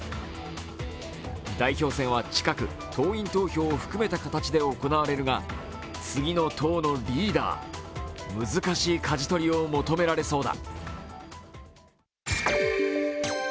代表選は近く党員投票を含めた形で行われるが、次の党のリーダー難しいかじ取りを求められそうだ。